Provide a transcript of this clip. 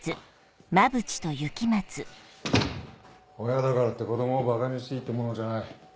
親だからって子供をばかにしていいってものじゃない。